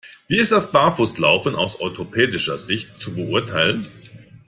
Wie ist das Barfußlaufen aus orthopädischer Sicht zu beurteilen?